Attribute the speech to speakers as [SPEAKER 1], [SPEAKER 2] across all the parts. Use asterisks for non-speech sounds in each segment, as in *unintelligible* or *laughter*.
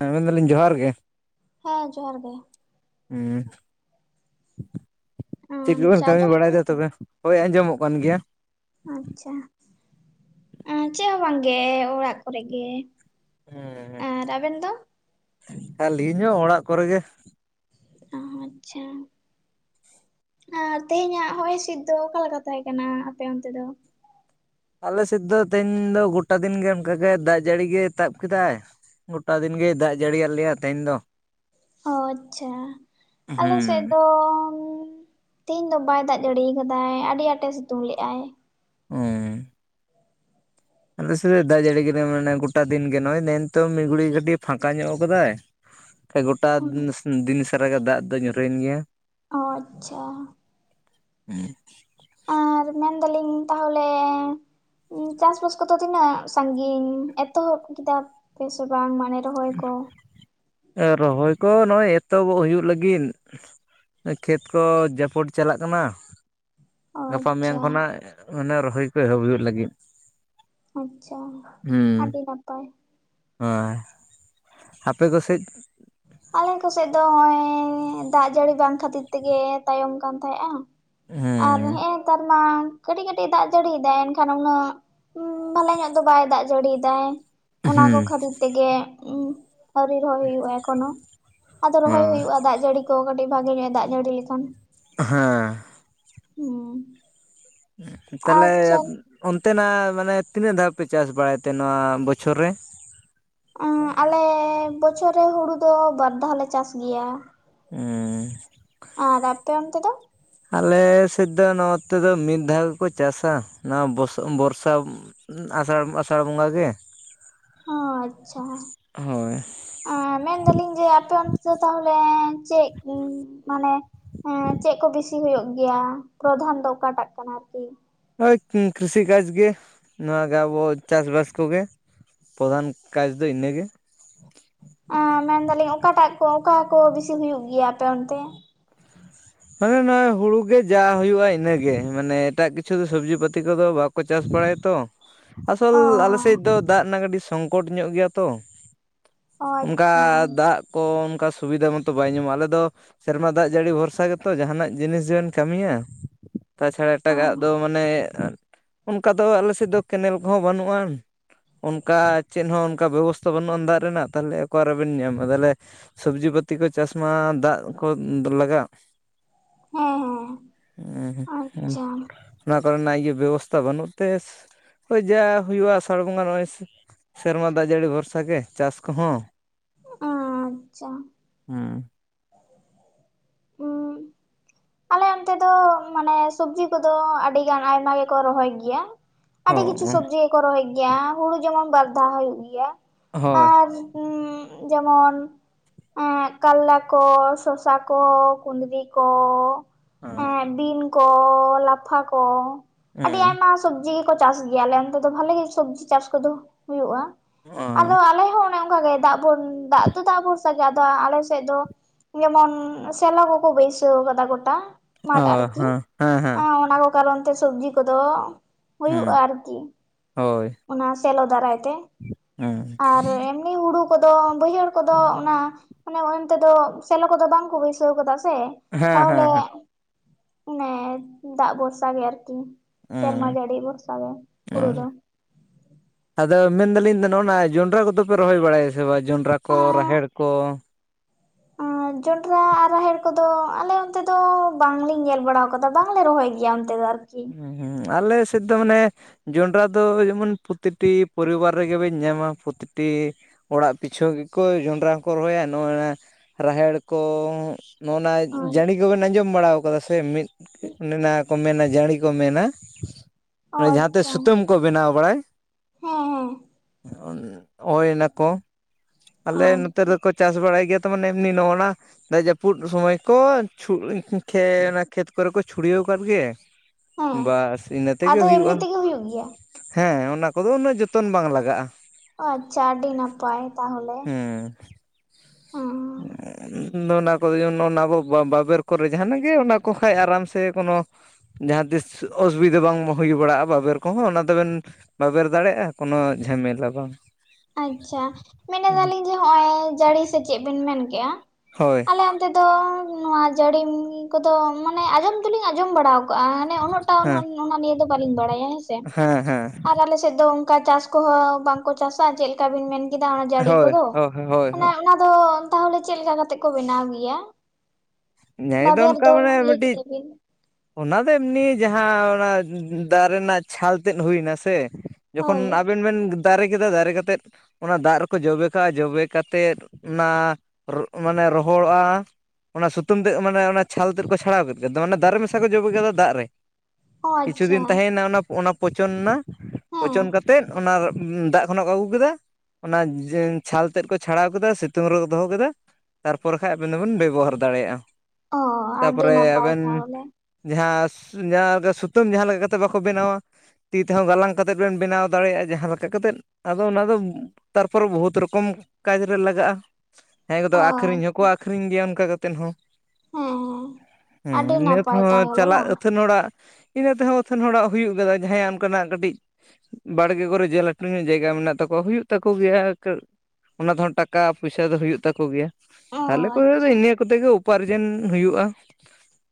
[SPEAKER 1] ᱦᱮᱸ ᱢᱮᱱᱫᱟᱞᱤᱧ ᱡᱚᱦᱟᱨ ᱜᱮ᱾
[SPEAKER 2] ᱦᱮᱸ ᱡᱚᱦᱟᱨ ᱜᱮ
[SPEAKER 1] *unintelligible* ᱪᱮᱜ ᱠᱚ ᱵᱮᱱ
[SPEAKER 2] ᱟᱪᱪᱷᱟ
[SPEAKER 1] ᱠᱟᱹᱢᱤ
[SPEAKER 2] ᱟᱸᱡᱚᱢᱚᱜ
[SPEAKER 1] ᱵᱟᱲᱟᱭᱮᱫᱼᱟ
[SPEAKER 2] ᱠᱟᱱᱟ ᱛᱚ?
[SPEAKER 1] ᱛᱚᱵᱮ? ᱦᱳᱭ ᱟᱸᱡᱚᱢᱚᱜ ᱠᱟᱱ ᱜᱮᱭᱟ᱾
[SPEAKER 2] ᱟᱪᱪᱷᱟ ᱮᱸᱜ ᱪᱮᱜ ᱦᱚᱸ ᱵᱟᱝᱜᱮ ᱚᱲᱟᱜ ᱠᱚᱨᱮᱜ ᱜᱮ᱾
[SPEAKER 1] ᱦᱮᱸ ᱦᱮᱸ
[SPEAKER 2] ᱟᱨ ᱟᱵᱮᱱ ᱫᱚ?
[SPEAKER 1] ᱟᱹᱞᱤᱧᱚ ᱚᱲᱟᱜ ᱠᱚᱨᱮ ᱜᱮ᱾
[SPEAKER 2] ᱟᱻᱟᱪᱷᱟ ᱟᱨ ᱛᱮᱦᱮᱧᱟᱜ ᱦᱚᱭ ᱦᱤᱸᱥᱤᱫ ᱫᱚ ᱚᱠᱟᱞᱮᱠᱟ ᱛᱟᱦᱮᱸ ᱠᱟᱱᱟ ᱟᱯᱮ ᱚᱱᱛᱮ ᱫᱚ?
[SPEAKER 1] ᱟᱞᱮ ᱥᱮᱜ ᱫᱚ ᱛᱮᱦᱮᱧ ᱫᱚ ᱜᱚᱴᱟ ᱫᱤᱱ ᱜᱮ ᱚᱱᱠᱟ ᱜᱮ ᱫᱟᱜ ᱡᱟᱹᱲᱤ ᱜᱮ ᱛᱟᱵ ᱠᱮᱫᱟᱭ᱾ ᱜᱚᱴᱟ ᱫᱤᱱ ᱜᱮ ᱫᱟᱜ ᱡᱟᱹᱲᱤᱭᱟᱜ ᱞᱮᱭᱟ ᱛᱮᱦᱮᱧ ᱫᱚ᱾
[SPEAKER 2] ᱚᱻᱟᱪᱪᱷᱟ ᱟᱞᱮ ᱥᱮᱜ
[SPEAKER 1] ᱦᱮᱸ
[SPEAKER 2] ᱫᱚ ᱛᱮᱦᱮᱧ ᱫᱚ ᱵᱟᱭ ᱫᱟᱜ ᱡᱟᱲᱤᱭᱟᱠᱟᱫᱟᱭ ᱟᱹᱰᱤ ᱟᱸᱴᱮ ᱥᱤᱛᱩᱝ ᱞᱮᱜᱼᱟᱭ᱾
[SPEAKER 1] ᱦᱩᱸ ᱟᱞᱮᱥᱮᱫ ᱫᱟᱜ ᱡᱟᱹᱲᱤ ᱠᱮᱫᱟᱭ ᱢᱟᱱᱮ ᱜᱚᱴᱟ ᱫᱤᱱ ᱜᱮ ᱱᱚᱜᱼᱚᱭ ᱱᱮᱱ ᱛᱚᱜ ᱢᱤᱜ ᱜᱷᱩᱲᱤᱜ ᱠᱟᱹᱴᱤᱡ ᱯᱷᱟᱸᱠᱟ ᱧᱚᱜ ᱟᱠᱟᱫᱟᱭ
[SPEAKER 2] *inaudible*
[SPEAKER 1] *unintelligible* ᱜᱚᱴᱟ *unintelligible* ᱫᱤᱱ ᱥᱟᱨᱟᱜᱮ ᱫᱟᱜ ᱫᱚ ᱧᱩᱨᱩᱭᱮᱱ ᱜᱮᱭᱟ
[SPEAKER 2] ᱚ ᱟᱪᱪᱷᱟ
[SPEAKER 1] *inaudible* ᱦᱩᱸ
[SPEAKER 2] ᱟᱨ ᱢᱮᱱᱫᱟᱞᱤᱧ ᱛᱟᱦᱚᱞᱮᱻ ᱪᱟᱥ ᱵᱟᱟᱥ ᱠᱚᱫᱚ ᱛᱤᱱᱟᱹᱜ ᱥᱟᱸᱜᱤᱧ ᱮᱛᱚᱦᱚᱵ ᱠᱮᱫᱟ ᱥᱮ ᱵᱟᱝ? ᱦᱮᱸ ᱨᱚᱦᱳᱭ ᱠᱳ
[SPEAKER 1] ᱨᱚᱦᱚᱭ ᱠᱚ ᱱᱚᱜᱼᱚᱭ ᱮᱛᱚᱦᱚᱵᱚᱜ ᱦᱩᱭᱩᱜ ᱞᱟᱹᱜᱤᱫ ᱠᱷᱮᱛ ᱠᱚ ᱡᱟᱯᱚᱴ ᱪᱟᱞᱟᱜ ᱠᱟᱱᱟ
[SPEAKER 2] ᱚ
[SPEAKER 1] ᱜᱟᱯᱟ ᱢᱮᱭᱟᱝ
[SPEAKER 2] ᱟᱪᱪᱷᱟ
[SPEAKER 1] ᱠᱷᱚ ᱱᱟᱜ ᱢᱟᱱᱮ ᱨᱚᱦᱚᱭ ᱠᱚ ᱮᱦᱚᱵ ᱦᱩᱭᱩᱜ ᱞᱟᱹᱜᱤᱫ᱾
[SPEAKER 2] ᱟᱪᱪᱷᱟ ᱟᱹᱰᱤ ᱱᱟᱯᱟᱭ
[SPEAKER 1] ᱦᱮᱸᱻ ᱟᱯᱮ ᱠᱚᱥᱮᱡᱼᱼ
[SPEAKER 2] ᱟᱞᱮᱧ ᱠᱚᱥᱮᱫ ᱫᱚ ᱱᱚᱜᱼᱚᱭᱻ ᱫᱟᱜ ᱡᱟᱹᱲᱤ ᱵᱟᱝ ᱠᱷᱟᱹᱛᱤᱨ ᱛᱮᱜᱮ ᱛᱟᱭᱚᱢ ᱟᱠᱟᱱ ᱛᱟᱦᱮᱸᱜᱼᱟ
[SPEAKER 1] ᱦᱩᱸ
[SPEAKER 2] ᱟᱨ ᱦᱮᱸᱜᱼᱮ ᱱᱮᱛᱟᱨ ᱢᱟ ᱠᱟᱹᱴᱤᱡ ᱠᱟᱹᱴᱤᱡ ᱫᱟᱜ ᱡᱟᱹᱲᱤᱭᱮᱫᱟᱭ ᱮᱱᱠᱷᱟᱱ ᱩᱱᱟᱹᱜ ᱩᱸ ᱵᱷᱟᱞᱮ ᱧᱚᱜ ᱫᱚ ᱵᱟᱭ ᱫᱟᱜ ᱡᱟᱹᱲᱤᱭ ᱮᱫᱟᱭ ᱚᱱᱟ ᱠᱚ ᱠᱷᱟᱹᱛᱤᱨ ᱛᱮᱜᱮ ᱟ. ᱣᱨᱤ ᱨᱚᱦᱚᱭ ᱦᱩᱭᱩᱜᱼᱟ ᱮᱠᱷᱚᱱᱚ ᱟᱫᱚ ᱨᱚᱦᱚᱭ
[SPEAKER 1] ᱦᱳᱭ
[SPEAKER 2] ᱦᱩᱭᱩᱜᱼᱟ ᱫᱟᱜ ᱡᱟᱹᱲᱤ ᱠᱟᱹᱴᱤᱡ ᱵᱷᱟᱜᱤ ᱧᱚᱜᱼᱮ ᱫᱟᱜ ᱡᱟᱹᱲᱤ ᱞᱮᱠᱷᱟᱱ
[SPEAKER 1] ᱦᱮᱸ
[SPEAKER 2] ᱦᱩᱸ
[SPEAKER 1] ᱛᱟᱞᱦᱮ
[SPEAKER 2] ᱟᱪᱪᱷᱟ
[SPEAKER 1] ᱚᱱᱛᱮᱱᱟᱜ ᱢᱟᱱᱮ ᱛᱤᱱᱟᱹᱜ ᱫᱷᱟᱣ ᱯᱮ ᱪᱟᱥ ᱵᱟᱲᱟᱭ ᱛᱮ ᱱᱚᱣᱟ ᱵᱚᱪᱷᱚᱨ ᱨᱮ
[SPEAKER 2] ᱮᱸᱻ ᱟᱞᱮᱻ ᱵᱚᱪᱷᱚᱨ ᱨᱮ ᱦᱩᱲᱩ ᱫᱚ ᱵᱟᱨ ᱫᱷᱟᱣ ᱞᱮ ᱪᱟᱥ ᱜᱮᱭᱟ᱾
[SPEAKER 1] ᱦᱩᱸᱻ
[SPEAKER 2] ᱟᱨ ᱨᱯᱮ ᱚᱱᱛᱮ ᱫᱚ
[SPEAKER 1] ᱟᱞᱮ ᱥᱮᱫ ᱫᱚ ᱱᱚᱛᱮ ᱫᱚ ᱢᱤᱫ ᱫᱷᱟᱣ ᱜᱮᱠᱚ ᱪᱟᱥᱟ ᱱᱚᱣᱟ ᱵᱚᱥᱚ ᱵᱚᱨᱥᱟ ᱟᱥᱟᱲ, ᱟᱥᱟᱲ ᱵᱚᱸᱜᱟ ᱜᱮ
[SPEAKER 2] ᱚ ᱟᱪᱪᱷᱟ
[SPEAKER 1] ᱦᱳᱭ
[SPEAKER 2] ᱮᱸ ᱢᱮᱱᱫᱟᱞᱤᱧ ᱡᱮ ᱟᱯᱮ ᱚᱱᱛᱮ ᱫᱚ ᱛᱟᱦᱚᱞᱮ ᱪᱮᱫ ᱢᱟᱱᱮ ᱦᱩᱸ ᱪᱮᱫ ᱠᱚ ᱵᱤᱥᱤ ᱦᱩᱭᱩᱜ ᱜᱮᱭᱟ ᱯᱨᱚᱫᱷᱟᱱ ᱫᱚ ᱚᱠᱟᱴᱟᱜ ᱠᱟᱱᱟ, ᱟᱨᱠᱤᱼᱼ
[SPEAKER 1] ᱦᱳᱭ ᱠᱨᱤᱥᱤ ᱠᱟᱡᱽ ᱜᱮ ᱱᱚᱣᱟ ᱜᱮ ᱟᱵᱚ ᱪᱟᱥᱵᱟᱥ ᱠᱚᱜᱮ ᱾ ᱯᱨᱚᱫᱷᱟᱱ ᱠᱟᱡᱽ ᱫᱚ ᱤᱱᱟᱹ ᱜᱮ ᱾
[SPEAKER 2] ᱢᱮᱱᱫᱟᱞᱤᱧ ᱚᱠᱟᱴᱟᱜ ᱠᱚ ᱚᱠᱟ ᱠᱚ ᱵᱤᱥᱤ ᱦᱩᱭᱩᱜ ᱜᱮᱭᱟ ᱟᱯᱮ ᱚᱱᱛᱮ?
[SPEAKER 1] ᱦᱚᱭ ᱱᱚᱜᱼᱚᱭ ᱦᱩᱲᱩ ᱜᱮ ᱡᱟ ᱦᱳᱭᱳ-ᱟ ᱤᱱᱟᱹᱜᱮ, ᱢᱟᱱᱮ ᱮᱴᱟᱜ ᱠᱤᱪᱷᱩ ᱫᱚ ᱥᱚᱵᱽᱡᱤ ᱯᱟᱹᱛᱤ ᱠᱚᱫᱚ ᱵᱟᱼᱼ ᱠᱟᱠᱚ ᱪᱟᱥ ᱵᱟᱲᱟᱭᱟ ᱛᱚ ᱾ ᱟᱥᱚᱞ
[SPEAKER 2] ᱚ
[SPEAKER 1] ᱟᱞᱮ ᱥᱮᱫ ᱫᱚ ᱫᱟᱜ ᱨᱮᱱᱟᱜ ᱠᱟᱹᱴᱤᱡ ᱥᱚᱝᱠᱚᱴ ᱧᱚᱜ ᱜᱮᱭᱟ ᱛᱚ
[SPEAKER 2] ᱚ
[SPEAKER 1] ᱾ ᱚᱱᱠᱟ
[SPEAKER 2] ᱟᱪᱪᱷᱟ
[SPEAKER 1] ᱫᱟᱜ ᱠᱚ ᱚᱱᱠᱟ ᱥᱩᱵᱤᱫᱟ ᱢᱚᱛᱚ ᱵᱟᱭ ᱧᱟᱢᱟ, ᱟᱞᱮ ᱫᱚ ᱥᱮᱨᱢᱟ ᱫᱟᱜ ᱡᱟᱹᱲᱤ ᱵᱷᱚᱨᱥᱟ ᱜᱮᱼᱼ ᱛᱚ ᱡᱟᱦᱟᱱᱟᱜ ᱡᱤᱱᱤᱥ ᱵᱮᱱ ᱠᱟᱹᱢᱤᱭᱟ ᱛᱟᱪᱷᱟᱲᱟ
[SPEAKER 2] ᱚ
[SPEAKER 1] ᱮᱴᱟᱜᱟᱜ ᱫᱚ ᱢᱟᱱᱮᱼᱼ ᱚᱱᱠᱟ ᱫᱚ ᱟᱞᱮᱥᱮᱫ ᱫᱚ ᱠᱮᱱᱮᱞ ᱠᱚᱦᱚᱸ ᱵᱟᱹᱱᱩᱜᱼᱟ ᱾ ᱚᱱᱠᱟ ᱪᱮᱫ ᱦᱚᱸ ᱚᱱᱠᱟ ᱵᱮᱵᱚᱥᱛᱷᱟ ᱵᱟᱹᱱᱩᱜᱼᱟ ᱫᱟᱜ ᱨᱮᱱᱟᱜ ᱛᱟᱦᱚᱞᱮ ᱚᱠᱟ ᱨᱮᱵᱮᱱ ᱧᱟᱢᱟ, ᱛᱟᱦᱚᱞᱮᱼᱼ ᱥᱚᱵᱽᱡᱤ ᱯᱟᱹᱛᱤ ᱠᱚ ᱪᱟᱥ ᱢᱟ ᱫᱟᱜ ᱠᱚ ᱞᱟᱜᱟᱜ ᱾
[SPEAKER 2] ᱦᱮᱸ ᱦᱮᱸ
[SPEAKER 1] ᱦᱮ *unintelligible*
[SPEAKER 2] ᱟᱪᱪᱷᱟ
[SPEAKER 1] ᱚᱱᱟ ᱠᱚᱨᱮᱱᱟᱜ ᱤᱭᱟᱹ ᱵᱮᱵᱚᱥᱛᱟ ᱵᱟᱹᱱᱩᱜ ᱛᱮᱼᱼ ᱳᱭ ᱡᱟ ᱦᱩᱭᱩᱜᱼᱟ ᱟᱥᱟᱲ ᱵᱚᱸᱜᱟ ᱱᱚᱜᱼᱚᱭ ᱥᱮᱨᱢᱟ ᱫᱟᱜ ᱡᱟᱹᱲᱤ ᱵᱷᱚᱨᱥᱟ ᱜᱮ ᱪᱟᱥ ᱠᱚᱦᱚᱸ ᱾
[SPEAKER 2] ᱟᱻ ᱟᱪᱪᱷᱟ
[SPEAKER 1] ᱦᱩᱸ
[SPEAKER 2] ᱦᱩᱸ ᱟᱞᱮ ᱚᱱᱛᱮ ᱫᱚ ᱢᱟᱱᱮ ᱥᱚᱵᱽᱡᱤ ᱠᱚᱫᱚ ᱟᱹᱰᱤ ᱜᱟᱱ ᱟᱭᱢᱟ ᱜᱮᱠᱚ ᱨᱚᱦᱚᱭ ᱜᱮᱭᱟ ᱾ ᱟᱹᱰᱤ ᱠᱤᱪᱷᱩ
[SPEAKER 1] ᱦᱚᱸ
[SPEAKER 2] ᱥᱚᱵᱡᱤ ᱜᱮ ᱠᱚ ᱨᱚᱦᱚᱭ ᱜᱮᱭᱟ ᱦᱩᱲᱩ ᱡᱮᱢᱚᱱ ᱵᱟᱨ ᱫᱷᱟᱣ ᱦᱩᱭᱩᱜ ᱜᱮᱭᱟ
[SPEAKER 1] ᱦᱳᱭ
[SPEAKER 2] ᱟᱨ? ᱦᱮ ᱡᱮᱢᱚᱱ ᱟ ᱠᱟᱞᱞᱟ ᱠᱚ ᱥᱚᱥᱟ ᱠᱚ ᱠᱩᱸᱫᱽᱨᱤ ᱠᱚ᱾
[SPEAKER 1] ᱦᱩᱸ
[SPEAKER 2] ᱮᱸ ᱵᱤᱱ ᱠᱚ ᱞᱟᱯᱷᱟ ᱠᱚ ᱟᱹᱰᱤ ᱟᱭᱢᱟ ᱥᱚᱵᱽᱡᱤ ᱜᱮᱠᱚ ᱪᱟᱥ ᱜᱮᱭᱟ ᱟᱞᱮ ᱚᱱᱛᱮ ᱫᱚ ᱵᱷᱟᱞᱤ ᱜᱮ ᱥᱚᱵᱽᱡᱤ ᱪᱟᱥ ᱠᱚᱫᱚ ᱦᱩᱭᱩᱜᱼᱟ᱾
[SPEAKER 1] *unintelligible*
[SPEAKER 2] ᱟᱫᱚ ᱟᱞᱮ ᱦᱚᱸ ᱚᱱᱮ ᱚᱱᱠᱟ ᱜᱮ ᱫᱟᱜ ᱵᱚᱱ ᱫᱟᱜ ᱫᱚ ᱫᱟᱜ ᱵᱚᱱ ᱟᱫᱚ ᱟᱞᱮ ᱥᱮᱫ ᱫᱚ ᱡᱮᱢᱚᱱ ᱥᱮᱞᱚ ᱠᱚᱠᱚ ᱵᱟᱹᱭᱥᱟᱹᱣ ᱠᱟᱫᱟ ᱜᱚᱴᱟ᱾ ᱢᱟᱴ
[SPEAKER 1] ᱚ
[SPEAKER 2] ᱟᱨᱠᱤ
[SPEAKER 1] ᱦᱮᱸ ᱦᱮᱸ ᱦᱮᱸ
[SPEAKER 2] *unintelligible* ᱠᱟᱨᱚᱱ ᱛᱮ ᱥᱚᱵᱽᱡᱤ ᱠᱚᱫᱚ
[SPEAKER 1] ᱦᱮᱸ
[SPEAKER 2] ᱦᱩᱭᱩᱜᱼᱟ ᱟᱨᱠᱤ
[SPEAKER 1] ᱦᱳᱭ
[SPEAKER 2] ᱚᱱᱟ ᱥᱮᱞᱚ ᱫᱟᱨᱟᱭ ᱛᱮ᱾
[SPEAKER 1] ᱦᱮᱸ
[SPEAKER 2] ᱟᱨ ᱮᱢᱱᱤ ᱦᱩᱲᱩ ᱠᱚᱫᱚ ᱵᱟᱹᱭᱦᱟᱹᱲ ᱠᱚᱫᱚ ᱚᱱᱟ ᱚᱱᱮ ᱚᱱ ᱛᱮᱫᱚ ᱥᱮᱞᱚ ᱠᱚᱫᱚ ᱵᱟᱝ ᱠᱚ ᱵᱟᱹᱭᱥᱟᱹᱣ ᱠᱟᱫᱟ ᱥᱮ
[SPEAKER 1] ᱦᱮᱸ
[SPEAKER 2] ᱛᱟᱦᱚᱞᱮ
[SPEAKER 1] ᱦᱮᱸ
[SPEAKER 2] ᱢᱟᱱᱮ ᱫᱟᱜ ᱵᱷᱚᱨᱥᱟ ᱜᱮ ᱟᱨᱠᱤ᱾ ᱥᱮᱨᱢᱟ
[SPEAKER 1] ᱦᱮᱸ
[SPEAKER 2] ᱡᱟᱹᱲᱤ ᱵᱷᱚᱨᱥᱟ ᱜᱮ ᱦᱩᱲᱩ ᱫᱚ᱾
[SPEAKER 1] ᱦᱮᱸ ᱟᱫᱚ ᱢᱮᱱ ᱫᱟᱞᱤᱧ ᱫᱚ ᱱᱚᱜᱼᱱᱟ ᱡᱚᱱᱰᱨᱟ ᱠᱚᱫᱚ ᱯᱮ ᱨᱚᱦᱚᱭ ᱵᱟᱲᱟᱭᱟ ᱥᱮ ᱵᱟᱝ ᱡᱚᱱᱰᱨᱟ ᱠᱚ ᱨᱟᱦᱮᱲ ᱠᱚ?
[SPEAKER 2] ᱟᱨ ᱡᱚᱱᱰᱨᱟ ᱟᱨ ᱨᱟᱦᱮᱲ ᱠᱚᱫᱚ ᱟᱞᱮ ᱚᱱᱛᱮ ᱫᱚ ᱵᱟᱝᱞᱮᱧ ᱧᱮᱞ ᱵᱟᱲᱟ ᱟᱠᱟᱫᱟ ᱵᱟᱝᱞᱮ ᱨᱚᱦᱚᱭ ᱜᱮᱭᱟ ᱚᱱᱛᱮ ᱫᱚ ᱟᱨᱠᱤ᱾
[SPEAKER 1] ᱦᱩᱸ ᱦᱩᱸ ᱟᱞᱮ ᱥᱮᱫ ᱢᱟᱱᱮ ᱡᱚᱱᱰᱨᱟ ᱫᱚ ᱡᱮᱢᱚᱱ ᱯᱨᱚᱛᱤᱴᱤ ᱯᱚᱨᱤᱵᱟᱨ ᱨᱮᱜᱮ ᱵᱮᱱ ᱧᱟᱢᱟ ᱯᱨᱚᱛᱤᱴᱤ ᱚᱲᱟᱜ ᱯᱤᱪᱷᱩ ᱜᱮᱠᱚ ᱡᱚᱸᱰᱨᱟ ᱦᱚᱸᱠᱚ ᱨᱚᱦᱚᱭᱟ ᱱᱚᱜᱼᱚᱭ ᱱᱟ ᱨᱟᱦᱮᱲ ᱠᱚ ᱱᱚᱜᱼᱱᱟ
[SPEAKER 2] ᱚ
[SPEAKER 1] ᱡᱟᱬᱤ ᱠᱚᱵᱮᱱ ᱟᱸᱡᱚᱢ ᱵᱟᱲᱟ ᱟᱠᱟᱫᱟ ᱥᱮ ᱢᱤᱫ ᱚᱱᱟ ᱠᱚ ᱢᱮᱱᱟ ᱡᱟᱬᱤ ᱠᱚ ᱢᱮᱱᱟ ᱚᱱᱮ ᱡᱟᱦᱟᱸᱛᱮ
[SPEAKER 2] ᱟᱪᱪᱷᱟ
[SPEAKER 1] ᱥᱩᱛᱟᱹᱢ ᱠᱚ ᱵᱮᱱᱟᱣ ᱵᱟᱲᱟᱭ
[SPEAKER 2] ᱦᱮᱸ ᱦᱮᱸ
[SPEAKER 1] ᱦᱩᱭ ᱮᱱᱟᱠᱚ ᱟᱞᱮ ᱱᱚᱛᱮ
[SPEAKER 2] ᱟᱪᱪᱷᱟ
[SPEAKER 1] ᱫᱚᱠᱚ ᱪᱟᱥ ᱵᱟᱲᱟᱭ ᱜᱮᱭᱟ ᱛᱟᱨ ᱢᱟᱱᱮ ᱮᱢᱱᱤ ᱱᱚᱜᱼ ᱱᱟ ᱫᱟᱜ ᱡᱟᱹᱯᱩᱫ ᱥᱚᱢᱚᱭ ᱠᱚ ᱪᱷᱩ ᱠᱷᱮ ᱚᱱᱟ ᱠᱷᱮᱛ ᱠᱚᱨᱮ ᱠᱚ ᱪᱷᱩᱲᱭᱟᱹᱣ ᱟᱠᱟᱫ ᱜᱮ
[SPEAKER 2] ᱦᱮᱸ
[SPEAKER 1] ᱵᱟᱥ ᱤᱱᱟᱹ ᱛᱮᱜᱮ
[SPEAKER 2] ᱟᱫᱚ ᱮᱢᱱᱤ
[SPEAKER 1] ᱦᱩᱭᱩᱜᱼᱟ᱾
[SPEAKER 2] ᱛᱮᱜᱮ ᱦᱩᱭᱩᱜ ᱜᱮᱭᱟ
[SPEAKER 1] ᱦᱮᱸ ᱚᱱᱟ ᱠᱚᱫᱚ ᱩᱱᱟᱹᱜ ᱡᱚᱛᱚᱱ ᱵᱟᱝ ᱞᱟᱜᱟᱜᱼᱟ᱾
[SPEAKER 2] ᱟᱪᱷᱟ ᱟᱹᱰᱤ ᱱᱟᱯᱟᱭ ᱛᱟᱦᱚᱞᱮ᱾
[SPEAKER 1] ᱟᱨ
[SPEAKER 2] ᱦᱮᱸ
[SPEAKER 1] *unintelligible* ᱚᱱᱟ ᱠᱚᱜᱮ ᱚᱱᱟ ᱠᱚ ᱵᱟᱵᱮᱨ ᱠᱚᱨᱮ ᱡᱟᱦᱟᱱᱟᱜ ᱜᱮ ᱚᱱᱟ ᱠᱚ ᱠᱷᱟᱱ ᱟᱨᱟᱢ ᱥᱮ ᱠᱳᱱᱳ ᱡᱟᱦᱟᱸ ᱛᱤᱥ ᱚᱥᱩᱵᱤᱫᱷᱟ ᱵᱟᱝ ᱦᱩᱭ ᱵᱟᱲᱟᱜᱼᱟ ᱵᱟᱵᱮᱨ ᱠᱚᱦᱚᱸ ᱚᱱᱟ ᱫᱚ ᱵᱮᱱ ᱵᱟᱵᱮᱨ ᱫᱟᱲᱮᱭᱟᱜᱼᱟ ᱠᱳᱱᱳ ᱡᱷᱟᱮᱢᱮᱞᱟ ᱵᱟᱝ᱾
[SPEAKER 2] ᱟᱪᱷᱟ ᱢᱮᱱ ᱮᱫᱟᱞᱤᱧ ᱡᱮ ᱱᱚᱜᱼᱚᱭ ᱡᱟᱹᱲᱤ ᱥᱮ ᱪᱮᱫ ᱵᱮᱱ ᱢᱮᱱᱠᱮᱜᱼᱟ?
[SPEAKER 1] ᱦᱳᱭ᱾
[SPEAKER 2] ᱟᱞᱮ ᱚᱱᱛᱮ ᱫᱚ ᱱᱚᱣᱟ ᱡᱟᱹᱲᱤᱢ ᱠᱚᱫᱚ ᱢᱟᱱᱮ ᱟᱸᱡᱚᱢ ᱫᱚᱞᱤᱧ ᱟᱸᱡᱚᱢ ᱵᱟᱲᱟ ᱟᱠᱟᱫᱟ᱾ ᱟᱱᱮ ᱩᱱᱟᱹᱜ ᱴᱟ
[SPEAKER 1] ᱦᱮᱸ
[SPEAKER 2] ᱚᱱᱟ ᱱᱤᱭᱟᱹ ᱫᱚ ᱵᱟᱹᱞᱤᱧ ᱵᱟᱲᱟᱭᱟ ᱦᱮᱸᱥᱮ,
[SPEAKER 1] ᱦᱮᱸ ᱦᱮᱸ
[SPEAKER 2] ᱟᱨ ᱟᱞᱮ ᱥᱮᱫ ᱫᱚ ᱚᱱᱠᱟ ᱪᱟᱥ ᱠᱚ ᱦᱚᱸ ᱵᱟᱝ ᱠᱚ ᱪᱟᱥᱟ ᱪᱮᱫ ᱞᱮᱠᱟ ᱵᱤᱱ ᱢᱮᱱ ᱠᱮᱫᱟ ᱚᱱᱟ ᱡᱟᱹᱲᱤ
[SPEAKER 1] ᱦᱳᱭ
[SPEAKER 2] ᱠᱚᱫᱚ?
[SPEAKER 1] ᱦᱳᱭ ᱦᱳᱭ ᱦᱳᱭ
[SPEAKER 2] ᱟᱫᱚ ᱛᱟᱦᱚᱞᱮ ᱪᱮᱫ ᱞᱮᱠᱟ ᱠᱟᱛᱮᱜ ᱠᱚ ᱵᱮᱱᱟᱣ ᱜᱮᱭᱟ?
[SPEAKER 1] ᱧᱟᱹᱭ
[SPEAKER 2] ᱵᱟᱵᱮᱨ
[SPEAKER 1] ᱚᱱᱠᱟ
[SPEAKER 2] ᱫᱚ
[SPEAKER 1] ᱢᱟᱱᱮ
[SPEAKER 2] ᱞᱟᱹᱭ
[SPEAKER 1] ᱢᱤᱫᱴᱤᱡ
[SPEAKER 2] ᱠᱮᱫᱟ ᱵᱤᱱ᱾
[SPEAKER 1] ᱚᱱᱟ ᱫᱚ ᱮᱢᱱᱤ ᱡᱟᱦᱟᱸ ᱚᱱᱟ ᱫᱟᱨᱮ ᱨᱮᱱᱟᱜ ᱪᱷᱟᱞ ᱛᱮᱫ ᱦᱩᱭᱱᱟ ᱥᱮ ᱾ ᱡᱚᱠᱷᱚᱱ
[SPEAKER 2] ᱦᱳᱭ
[SPEAKER 1] ᱟᱵᱮᱱ ᱵᱮᱱ ᱫᱟᱨᱮ ᱠᱮᱫᱟ ᱫᱟᱨᱮ ᱠᱟᱛᱮᱫ ᱚᱱᱟ ᱫᱟᱜ ᱨᱮᱠᱚ ᱡᱚᱵᱮ ᱠᱟᱜᱼᱟ ᱡᱚᱵᱮ ᱠᱟᱛᱮᱫ ᱚᱱᱟ ᱢᱟᱱᱮ ᱨᱚᱦᱚᱲᱚᱜᱼᱟ᱾ ᱚᱱᱟ ᱥᱩᱛᱟᱹᱢ ᱛᱮᱫ ᱢᱟᱱᱮ ᱚᱱᱟ ᱪᱷᱟᱞ ᱛᱮᱫ ᱠᱚ ᱪᱷᱟᱲᱟᱣ ᱠᱮᱫ ᱜᱮ ᱢᱟᱱᱮ ᱫᱟᱨᱮ ᱢᱮᱥᱟ ᱠᱚ ᱡᱚᱵᱮ ᱠᱮᱫᱟ ᱫᱟᱜ ᱨᱮ᱾
[SPEAKER 2] ᱚ
[SPEAKER 1] ᱠᱤᱪᱷᱩ
[SPEAKER 2] ᱟᱪᱪᱷᱟ
[SPEAKER 1] ᱫᱤᱱ ᱛᱟᱦᱮᱸᱭᱮᱱᱟ ᱚᱱᱟ, ᱚᱱᱟ ᱯᱚᱪᱚᱱᱮᱱᱟ
[SPEAKER 2] ᱦᱮᱸ
[SPEAKER 1] ᱯᱚᱪᱚᱱ ᱠᱟᱛᱮ ᱚᱱᱟ ᱫᱟᱜ ᱛᱚᱠᱷᱚᱱ ᱠᱚ ᱟᱹᱜᱩ ᱠᱮᱫᱟ ᱚᱱᱟ ᱪᱷᱟᱞ ᱛᱮᱫ ᱠᱚ ᱪᱷᱟᱲᱟᱣ ᱠᱮᱫᱟ ᱥᱤᱛᱩᱝ ᱨᱮᱠᱚ ᱫᱚᱦᱚ ᱠᱮᱫᱟ᱾ ᱛᱟᱨᱯᱚᱨ ᱠᱷᱟᱱ ᱟᱵᱮᱱ ᱫᱚᱵᱮᱱ ᱵᱮᱵᱚᱦᱟᱨ ᱫᱟᱲᱮᱭᱟᱜᱼᱟ᱾
[SPEAKER 2] ᱚ ᱟᱹᱰᱤ
[SPEAKER 1] ᱛᱟᱨᱯᱚᱨᱮ
[SPEAKER 2] ᱱᱟᱯᱟᱭ
[SPEAKER 1] ᱟᱵᱮᱱ
[SPEAKER 2] ᱛᱟᱦᱚᱞᱮ
[SPEAKER 1] ᱡᱟᱦᱟᱸ, ᱡᱟᱦᱟᱸ ᱞᱮᱠᱟ ᱥᱩᱛᱟᱹᱢ ᱡᱟᱦᱟᱸ ᱞᱮᱠᱟ ᱠᱟᱛᱮᱫ ᱵᱟᱠᱚ ᱵᱮᱱᱟᱣᱟ? ᱛᱤ ᱛᱮᱦᱚᱸ ᱜᱟᱞᱟᱝ ᱠᱟᱛᱮᱫ ᱵᱮᱱ ᱵᱮᱱᱟᱣ ᱫᱟᱲᱮᱭᱟᱜᱼᱟ ᱡᱟᱦᱟᱸ ᱞᱮᱠᱟ ᱠᱟᱛᱮᱫ᱾ ᱟᱫᱚ ᱚᱱᱟ ᱫᱚ ᱛᱟᱨᱯᱚᱨᱮ ᱵᱚᱦᱩᱛ ᱨᱚᱠᱚᱢ ᱠᱟᱡᱽ ᱨᱮ ᱞᱟᱜᱟᱜᱼᱟ᱾ ᱦᱮᱸ ᱠᱚᱫᱚ
[SPEAKER 2] ᱚ ᱦᱮᱸ
[SPEAKER 1] ᱟᱠᱷᱨᱤᱧ ᱦᱚᱸᱠᱚ ᱟᱠᱷᱨᱤᱧ ᱜᱮᱭᱟ ᱚᱱᱠᱟ ᱠᱟᱛᱮᱫ ᱦᱚᱸ᱾
[SPEAKER 2] ᱦᱮᱸ ᱟᱹᱰᱤ
[SPEAKER 1] ᱦᱮᱸ ᱤᱱᱟᱹ
[SPEAKER 2] ᱱᱟᱯᱟᱭ
[SPEAKER 1] ᱛᱮᱦᱚᱸ
[SPEAKER 2] ᱛᱟᱦᱚᱞᱮ
[SPEAKER 1] ᱪᱟᱞᱟᱜ
[SPEAKER 2] ᱵᱟᱝ
[SPEAKER 1] ᱟᱹᱛᱷᱟᱹᱱ ᱚᱲᱟᱜ ᱤᱱᱟᱹ ᱛᱮᱦᱚᱸ ᱟᱹᱛᱷᱟᱹᱱ ᱦᱚᱲᱟᱜ ᱦᱩᱭᱩᱜ ᱟᱠᱟᱫᱟ ᱡᱟᱦᱟᱸᱭᱟᱜ ᱚᱱᱠᱟᱱᱟᱜ ᱠᱟᱹᱴᱤᱡᱼᱼ ᱵᱟᱲᱜᱮ ᱠᱚᱨᱮ ᱡᱮ ᱞᱟᱹᱴᱩ ᱧᱚᱜ ᱡᱟᱭᱜᱟ ᱢᱮᱱᱟᱜ ᱛᱟᱠᱚᱣᱟ ᱦᱩᱭᱩᱜ ᱛᱟᱠᱚ ᱜᱮᱭᱟᱼᱼ ᱚᱱᱟ ᱛᱮᱦᱚᱸ ᱴᱟᱠᱟ ᱯᱚᱭᱥᱟ ᱫᱚ ᱦᱩᱭᱩᱜ ᱛᱟᱠᱚ ᱜᱮᱭᱟ᱾
[SPEAKER 2] ᱚ
[SPEAKER 1] ᱟᱞᱮ ᱠᱚᱨᱮ ᱫᱚ
[SPEAKER 2] ᱟᱪᱪᱷᱟ
[SPEAKER 1] ᱤᱱᱟᱹ ᱠᱚᱛᱮ ᱜᱮ ᱩᱯᱟᱨᱡᱚᱱ ᱦᱩᱭᱩᱜᱼᱟ᱾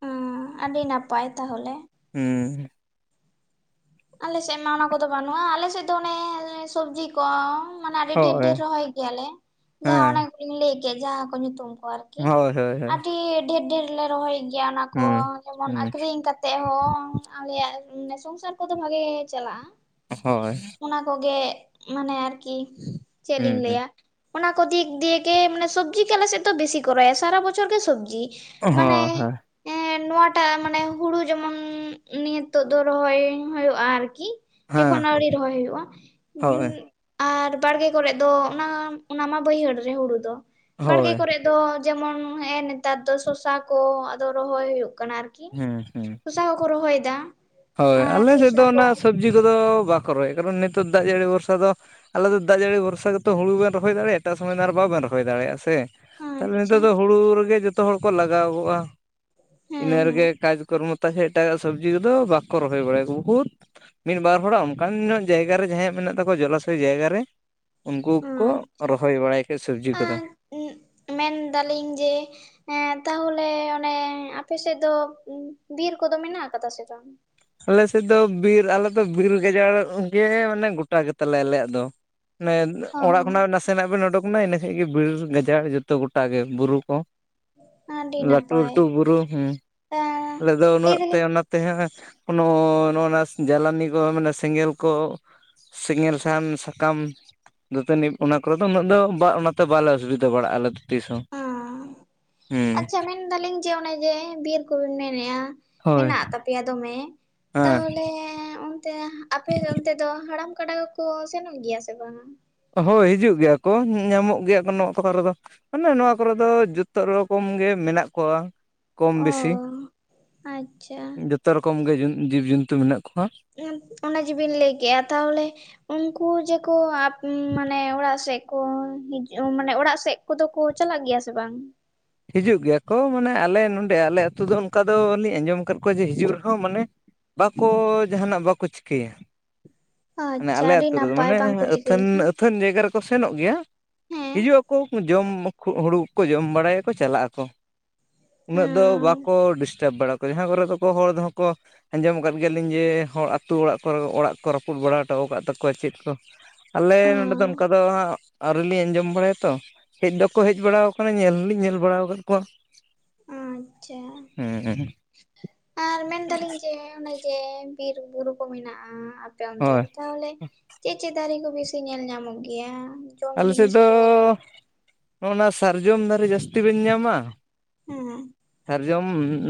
[SPEAKER 2] ᱦᱩᱸ ᱟᱹᱰᱤ ᱱᱟᱯᱟᱭ ᱛᱟᱦᱚᱞᱮ᱾
[SPEAKER 1] ᱦᱩᱸ᱾
[SPEAKER 2] ᱟᱞᱮᱥᱮᱫ ᱢᱟ ᱚᱱᱟ ᱠᱚᱫᱚ ᱵᱟᱹᱱᱩᱜᱼᱟ ᱟᱞᱮᱥᱮᱫ ᱫᱚ ᱚᱱᱮ, ᱥᱚᱵᱽᱡᱤ ᱠᱚᱼᱼ ᱢᱟᱱᱮ ᱟᱹᱰᱤ
[SPEAKER 1] ᱦᱳᱭ
[SPEAKER 2] ᱰᱷᱮᱨ-ᱰᱷᱮᱨ ᱨᱚᱦᱚᱭ ᱜᱮᱭᱟᱞᱮ ᱡᱟᱦᱟᱸ
[SPEAKER 1] ᱦᱮᱸ
[SPEAKER 2] ᱚᱱᱮ ᱠᱚᱞᱤᱧ ᱞᱟᱹᱭ ᱠᱮᱭᱟ ᱡᱟᱦᱟᱸ ᱠᱚ ᱧᱩᱛᱩᱢ ᱠᱚ ᱟᱨᱠᱤ᱾ ᱠᱤ
[SPEAKER 1] ᱦᱳᱭ ᱦᱳᱭ ᱦᱳᱭ
[SPEAKER 2] ᱟᱹᱰᱤ ᱰᱷᱮᱨ-ᱰᱷᱮᱨᱼᱼ ᱞᱮ ᱨᱚᱦᱚᱭᱮᱫ ᱜᱮᱭᱟ ᱚᱱᱟ ᱠᱚ
[SPEAKER 1] ᱦᱩᱸ
[SPEAKER 2] ᱡᱮᱢᱚᱱ
[SPEAKER 1] ᱦᱩᱸ
[SPEAKER 2] ᱟᱠᱷᱨᱤᱧ ᱠᱟᱛᱮ ᱦᱚᱸ ᱟᱞᱮᱭᱟᱜ ᱥᱚᱝᱥᱟᱨᱼᱼ ᱠᱚᱫᱚ ᱵᱷᱟᱜᱮ ᱪᱟᱞᱟᱜᱼᱟ᱾
[SPEAKER 1] ᱦᱳᱭ᱾
[SPEAKER 2] ᱚᱱᱟ ᱠᱚᱜᱮ ᱢᱟᱱᱮ ᱟᱨᱠᱤ ᱪᱮᱫ ᱞᱤᱧ
[SPEAKER 1] ᱦᱩᱸ ᱦᱩᱸ
[SPEAKER 2] ᱞᱟᱹᱭᱟ? ᱚᱱᱟ ᱠᱚ ᱫᱤᱠ ᱫᱤᱭᱮ ᱜᱮ ᱢᱟᱱᱮ ᱥᱚᱵᱽᱡᱤ ᱜᱮ ᱟᱞᱮ ᱥᱮᱫ ᱫᱚ ᱵᱮᱥᱤ ᱠᱚᱨᱟᱣᱟ ᱥᱟᱨᱟ ᱵᱚᱪᱦᱚᱨ ᱜᱮ ᱥᱚᱵᱡᱤ᱾ ᱢᱟᱱᱮ
[SPEAKER 1] ᱦᱳᱭ
[SPEAKER 2] ᱮ ᱱᱚᱣᱟᱴᱟᱜ ᱢᱟᱱᱮ ᱦᱩᱲᱩ ᱡᱮᱢᱚᱱ ᱱᱤᱛᱚ ᱫᱚ ᱨᱚᱦᱚᱭᱼᱼ ᱦᱩᱭᱩᱜᱼᱟ ᱟᱨᱠᱤ ᱮᱠᱷᱚᱱ
[SPEAKER 1] ᱦᱳᱭ
[SPEAKER 2] ᱟᱹᱣᱲᱤ ᱨᱚᱦᱚᱭ ᱦᱩᱭᱩᱜᱼᱟᱼᱼ
[SPEAKER 1] ᱦᱮᱸ ᱦᱳᱭ
[SPEAKER 2] ᱟᱨ ᱵᱟᱲᱜᱮ ᱠᱚᱨᱮ ᱫᱚ ᱚᱱᱟ, ᱚᱱᱟ ᱢᱟ ᱵᱟᱹᱭᱦᱟᱹᱲ ᱨᱮ ᱦᱩᱲᱩ ᱫᱚ ᱵᱟᱲᱜᱮ
[SPEAKER 1] ᱦᱳᱭ
[SPEAKER 2] ᱠᱚᱨᱮ ᱫᱚᱼᱼ ᱫᱚ ᱡᱮᱢᱚᱱ ᱦᱮᱸ ᱱᱮᱛᱟᱨ ᱫᱚ ᱥᱚᱨᱥᱟ ᱠᱚ ᱟᱫᱚ ᱨᱚᱦᱚᱭ ᱦᱩᱭᱩᱜ ᱠᱟᱱᱟ ᱟᱨᱠᱤᱼᱼ
[SPEAKER 1] ᱦᱩᱸ
[SPEAKER 2] ᱠᱤ
[SPEAKER 1] ᱦᱩᱸ
[SPEAKER 2] ᱥᱚᱨᱥᱟ ᱠᱚᱠᱚ ᱨᱚᱦᱚᱭ ᱫᱟ᱾
[SPEAKER 1] ᱦᱳᱭ ᱟᱞᱮ ᱥᱮᱫ ᱫᱚ ᱚᱱᱟ ᱥᱚᱵᱽᱡᱤ ᱠᱚᱫᱚ ᱵᱟᱠᱚ ᱨᱚᱦᱚᱭᱮᱫᱼᱟ ᱠᱟᱨᱚᱱ ᱱᱤᱛᱚᱜ ᱫᱟᱜ ᱡᱟᱹᱲᱤ ᱵᱷᱚᱨᱥᱟ ᱫᱚᱼᱼ ᱟᱞᱮ ᱫᱚ ᱫᱟᱜ ᱡᱟᱹᱲᱤ ᱵᱷᱚᱨᱥᱟ ᱜᱮᱛᱚ ᱦᱩᱲᱩᱵᱮᱱ ᱨᱚᱦᱚᱭ ᱫᱟᱲᱮᱼᱟ ᱮᱴᱟᱜ ᱥᱚᱢᱚᱭ ᱫᱚ ᱟᱨ ᱵᱟᱵᱮᱱ ᱨᱚᱦᱚᱭ ᱫᱟᱲᱮᱭᱟᱜᱼᱟ ᱥᱮ᱾ ᱛᱟᱦᱚᱞᱮ
[SPEAKER 2] ᱟᱪᱪᱷᱟ
[SPEAKER 1] ᱱᱤᱛᱚᱜ ᱫᱚ ᱦᱩᱲᱩ ᱨᱮᱜᱮ ᱡᱚᱛᱚ ᱦᱚᱲ ᱠᱚ ᱞᱟᱜᱟᱣ ᱠᱚᱜᱼᱟ᱾
[SPEAKER 2] ᱦᱮᱸ
[SPEAKER 1] ᱤᱱᱟᱹ
[SPEAKER 2] ᱦᱮᱸ
[SPEAKER 1] ᱨᱮᱜᱮ ᱠᱟᱡᱽᱠᱨᱢᱚᱛᱟ ᱥᱮ ᱮᱴᱟᱜᱟᱜ ᱥᱚᱵᱽᱡᱤ ᱠᱚᱫᱚ ᱵᱟᱠᱚ ᱨᱚᱦᱚᱭ ᱵᱟᱲᱟᱭᱟᱠᱚ ᱵᱚᱦᱩᱫᱼᱼ ᱢᱤᱫ ᱵᱟᱨ ᱦᱚᱲᱟᱜ ᱚᱱᱠᱟᱱ ᱧᱚᱜ ᱡᱟᱭᱜᱟ ᱨᱮ ᱡᱟᱦᱟᱸᱭᱟᱜ ᱢᱮᱱᱟᱜ ᱛᱟᱠᱚᱣᱟ ᱡᱚᱞᱟᱥᱚᱭ ᱡᱟᱭᱜᱟ ᱨᱮᱼᱼ ᱩᱱᱠᱩ ᱠᱚ ᱨᱚᱦᱚᱭ ᱵᱟᱲᱟᱭ ᱠᱷᱟᱡ ᱥᱚᱵᱽᱡᱤ ᱠᱚᱫᱚ᱾
[SPEAKER 2] ᱩᱸᱢᱮᱱ ᱮᱫᱟᱞᱤᱧ ᱡᱮᱼᱼ ᱦᱮᱸ ᱛᱟᱦᱚᱞᱮ ᱚᱱᱮ, ᱟᱯᱮ ᱥᱮᱫ ᱫᱚ ᱵᱤᱨ ᱠᱚᱫᱚ ᱢᱮᱱᱟᱜ ᱟᱠᱟᱫᱟ ᱥᱮ ᱵᱟᱝ?
[SPEAKER 1] ᱟᱞᱮ ᱥᱮᱫ ᱫᱚ ᱵᱤᱨ ᱟᱞᱮᱫᱚ ᱵᱤᱨ ᱜᱟᱡᱟᱲ ᱜᱮ ᱢᱟᱱᱮ ᱜᱚᱴᱟ ᱜᱮᱛᱟᱞᱮ ᱟᱞᱮᱭᱟᱜ ᱫᱚ᱾ ᱢᱟᱱᱮ
[SPEAKER 2] ᱚ
[SPEAKER 1] ᱚᱲᱟᱜ ᱠᱷᱚᱱᱟᱜ ᱱᱟᱥᱼᱼ ᱥᱮᱱᱟᱜ ᱵᱮᱱ ᱩᱰᱩᱠ ᱮᱱᱟ ᱤᱱᱟᱹ ᱠᱷᱟᱡ ᱜᱮ ᱵᱤᱨ ᱜᱟᱡᱟᱲ ᱡᱚᱛᱚ ᱜᱚᱴᱟ ᱜᱮ ᱵᱩᱨᱩ ᱠᱚ᱾
[SPEAKER 2] ᱟᱹᱰᱤ ᱱᱟᱯᱟᱭ
[SPEAKER 1] ᱞᱟᱹᱴᱩ-ᱞᱟᱹᱴᱩ ᱵᱩᱨᱩ ᱦᱮᱸ,
[SPEAKER 2] ᱮᱸ
[SPEAKER 1] ᱟᱞᱮ ᱫᱚ
[SPEAKER 2] ᱞᱟᱹᱭ
[SPEAKER 1] ᱩᱱᱟᱹᱜ ᱛᱮ
[SPEAKER 2] ᱫᱟᱞᱤᱧ
[SPEAKER 1] ᱚᱱᱟᱛᱮᱼᱼ ᱠᱱᱚ ᱱᱚᱜᱼ ᱱᱟ ᱡᱟᱞᱟᱱᱤ ᱠᱚ ᱢᱟᱱᱮ ᱥᱮᱸᱜᱮᱞ ᱠᱚᱼᱼ ᱥᱮᱸᱜᱮᱞ ᱥᱟᱦᱟᱱ ᱥᱟᱠᱟᱢᱼᱼ ᱫᱟᱹᱛᱟᱹᱱᱤ ᱚᱱᱟ ᱠᱚᱨᱮ ᱫᱚ ᱩᱱᱟᱹᱜ ᱫᱚ ᱚᱱᱟᱛᱮ ᱵᱟᱞᱮ ᱚᱥᱩᱵᱤᱫᱷᱟ ᱵᱟᱲᱟᱜᱼᱟ ᱟᱞᱮ ᱫᱚ᱾ ᱛᱤᱥ ᱦᱚᱸ ᱦᱮᱸ᱾
[SPEAKER 2] ᱢᱮᱱ ᱮᱫᱟᱞᱤᱧ ᱡᱮ ᱚᱱᱮ ᱡᱮ ᱵᱤᱨ ᱠᱚᱵᱤᱱ ᱢᱮᱱᱮᱫᱼᱟᱼᱼ
[SPEAKER 1] ᱦᱳᱭ
[SPEAKER 2] ᱢᱮᱱᱟᱜ ᱛᱟᱯᱮᱭᱟ ᱫᱚᱢᱮ
[SPEAKER 1] ᱦᱮᱸ
[SPEAKER 2] ᱛᱟᱦᱚᱞᱮ ᱚᱱᱛᱮᱼᱼ ᱟᱯᱮ ᱫᱚ ᱚᱱᱛᱮ ᱫᱚ ᱦᱟᱲᱟᱢ ᱠᱟᱰᱟ ᱠᱚᱠᱚ ᱥᱮᱱᱚᱜ ᱜᱮᱭᱟ ᱥᱮ ᱵᱟᱝ?
[SPEAKER 1] ᱦᱳᱭ ᱦᱤᱡᱩᱜ ᱜᱮᱭᱟ ᱠᱚ ᱧᱟᱢᱚᱜ ᱜᱮᱭᱟ ᱠᱚ ᱱᱚᱜ ᱯᱟᱦᱴᱟ ᱨᱮᱫᱚ᱾ ᱢᱟᱱᱮ ᱱᱚᱣᱟ ᱠᱚᱨᱮ ᱫᱚ ᱡᱚᱛᱚ ᱨᱚᱠᱚᱢ ᱜᱮ ᱢᱮᱱᱟᱜ ᱠᱚᱣᱟ ᱠᱚᱢ ᱵᱮᱥᱤ᱾
[SPEAKER 2] ᱚ ᱟᱪᱷᱟ᱾
[SPEAKER 1] ᱡᱚᱛᱚ ᱨᱚᱠᱚᱢ ᱜᱮ ᱡᱤᱵᱽ ᱡᱚᱱᱛᱩ ᱢᱮᱱᱟᱜ ᱠᱚᱣᱟ᱾
[SPEAKER 2] ᱚᱱᱟ ᱡᱤᱵᱤᱱ ᱞᱟᱹᱭ ᱠᱮᱜᱼᱟ ᱛᱟᱦᱚᱞᱮ ᱩᱱᱠᱩ ᱡᱮᱠᱚ ᱢᱟᱱᱮ ᱚᱲᱟᱜ ᱥᱮᱫᱼᱼ ᱠᱚ ᱦᱤᱡᱩᱜ ᱢᱟᱱᱮ ᱚᱲᱟᱜ ᱥᱮᱫ ᱠᱚᱫᱚ ᱠᱚ ᱪᱟᱞᱟᱜ ᱜᱮᱭᱟ ᱥᱮ ᱵᱟᱝ?
[SPEAKER 1] ᱦᱤᱡᱩᱜ ᱜᱮᱭᱟ ᱠᱚ ᱢᱟᱱᱮ ᱟᱞᱮ ᱱᱚᱸᱰᱮ ᱟᱞᱮ ᱟᱹᱛᱩ ᱫᱚ ᱚᱱᱠᱟ ᱫᱚᱞᱤᱧ ᱟᱸᱡᱚᱢ ᱟᱠᱟᱫ ᱠᱚᱣᱟ ᱡᱮ ᱦᱤᱡᱩᱜ ᱨᱮᱦᱚᱸ ᱢᱟᱱᱮᱼᱼ ᱵᱟᱠᱚ ᱡᱟᱦᱟᱱᱟᱜ ᱵᱟᱠᱚ ᱪᱤᱠᱟᱹᱭᱟ᱾ ᱢᱟᱱᱮ
[SPEAKER 2] ᱟᱪᱪᱷᱟ
[SPEAKER 1] ᱟᱞᱮ
[SPEAKER 2] ᱟᱹᱰᱤ
[SPEAKER 1] ᱟᱹᱛᱩ ᱨᱮᱫᱚ
[SPEAKER 2] ᱱᱟᱯᱟᱭ
[SPEAKER 1] ᱢᱟᱱᱮ
[SPEAKER 2] ᱵᱟᱝᱠᱚ ᱪᱤᱠᱟᱹ
[SPEAKER 1] ᱟᱹᱛᱟᱹᱱᱼᱼ
[SPEAKER 2] ᱞᱮᱠᱷᱟᱱ᱾
[SPEAKER 1] ᱟᱹᱠᱷᱟᱹᱱ ᱡᱟᱭᱜᱟ ᱨᱮᱠᱚ ᱥᱮᱱᱚᱜ ᱜᱮᱭᱟ
[SPEAKER 2] ᱦᱮᱸ
[SPEAKER 1] ᱦᱤᱡᱩᱜ ᱟᱠᱚ ᱡᱚᱢ ᱦᱩᱲᱩ ᱠᱚ ᱡᱚᱢ ᱵᱟᱲᱟᱭᱟᱠᱚᱼᱼ ᱠᱚ ᱪᱟᱞᱟᱜ ᱟᱠᱚ ᱩᱱᱟᱹᱜ ᱫᱚ ᱵᱟᱠᱚ ᱰᱤᱥᱴᱟᱵᱽ ᱵᱟᱲᱟ ᱠᱚ, ᱡᱟᱦᱟᱸ ᱠᱚᱨᱮ ᱫᱚᱠᱚ ᱦᱚᱲ ᱫᱚᱦᱚᱸ ᱠᱚᱼᱼ ᱟᱸᱡᱚᱢ ᱟᱠᱟᱫ ᱜᱮᱭᱟᱹᱞᱤᱧ ᱡᱮ ᱦᱚᱲ ᱟᱹᱛᱩ ᱚᱲᱟᱜ ᱠᱚᱨᱮ ᱚᱲᱟᱜ ᱠᱚ ᱨᱟᱹᱯᱩᱫ ᱵᱟᱲᱟ ᱦᱚᱴᱚ ᱟᱠᱟᱜ ᱛᱟᱠᱚᱣᱟ ᱪᱮᱫ ᱠᱚ᱾ ᱟᱞᱮ ᱱᱚᱰᱮ ᱫᱚ ᱚᱱᱠᱟ ᱫᱚ ᱦᱟᱸᱜ ᱟᱹᱣᱨᱤᱞᱤᱧ ᱟᱸᱡᱚᱢ ᱵᱟᱲᱟᱭᱟ ᱛᱚ᱾ ᱦᱮᱡ ᱫᱚᱠᱚ ᱦᱮᱡ ᱵᱟᱲᱟᱣᱟᱠᱟᱱᱟ ᱧᱮᱞ ᱦᱚᱞᱤᱧ ᱧᱮᱞ ᱵᱟᱲᱟ ᱟᱠᱟᱫ ᱠᱚᱣᱟ᱾
[SPEAKER 2] ᱟᱪᱷᱟ,
[SPEAKER 1] ᱦᱮᱸ
[SPEAKER 2] ᱟᱨ ᱢᱮᱱᱮᱫᱟᱞᱤᱧ ᱡᱮᱼᱼ ᱡᱮ ᱵᱤᱨ ᱵᱩᱨᱩ ᱠᱚ ᱢᱮᱱᱟᱜᱼᱟ ᱟᱯᱮ ᱚᱱᱛᱮ
[SPEAKER 1] ᱦᱳᱭ
[SPEAKER 2] ᱛᱟᱦᱚᱞᱮᱼᱼ ᱪᱮᱫ-ᱪᱮᱫ ᱫᱟᱨᱮ ᱠᱚ ᱵᱤᱥᱤ ᱧᱮᱞ ᱧᱟᱢᱚᱜ ᱜᱮᱭᱟ? ᱡᱚᱢ
[SPEAKER 1] ᱟᱞᱮ ᱥᱮᱫ
[SPEAKER 2] ᱡᱤᱱᱤᱥ
[SPEAKER 1] ᱫᱚ
[SPEAKER 2] ᱠᱚ?
[SPEAKER 1] ᱱᱚᱜᱼ ᱱᱟ ᱥᱟᱨᱡᱚᱢ ᱫᱟᱨᱮ ᱡᱟᱹᱥᱛᱤ ᱵᱮᱱ ᱧᱟᱢᱟᱼᱼ
[SPEAKER 2] ᱦᱮᱸ
[SPEAKER 1] ᱥᱟᱨᱡᱚᱢ